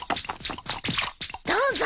どうぞ。